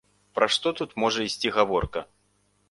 Пра што тут можа ісці гаворка?